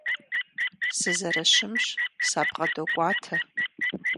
Сызэрыщымщ, сабгъэдокӀуатэ.